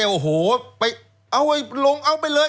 เอ้าเอ้ยลงเอาไปเลย